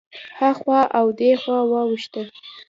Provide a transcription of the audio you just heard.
هخوا او دېخوا واوښته.